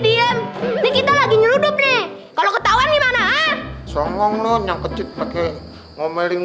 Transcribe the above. diem ini kita lagi nyeludup nih kalau ketawa gimana ah songong lu nyang kecil pakai ngomelin